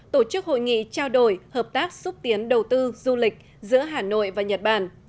tổ chức hội nghị trao đổi hợp tác xúc tiến đầu tư du lịch giữa hà nội và nhật bản